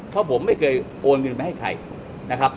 เพราะผมไม่เคยโอนเงินไปให้ใครนะครับ